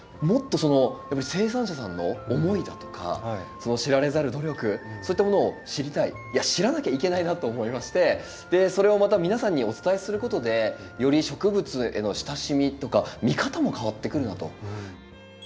もっと生産者さんの思いだとかその知られざる努力そういったものを知りたいいや知らなきゃいけないなと思いましてでそれをまた皆さんにお伝えすることでより植物への親しみとか見方も変わってくるなと。